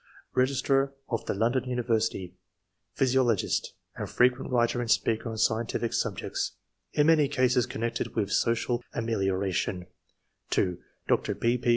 Re gistrar of the London University, physio logist, and frequent writer and speaker on scientific subjects, in many cases connected with social amelioration ; (2) Dr. P. P.